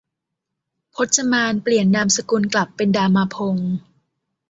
พจมานเปลี่ยนนามสกุลกลับเป็นดามาพงศ์